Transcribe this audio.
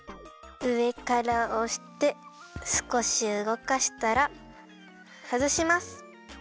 うえからおしてすこしうごかしたらはずします。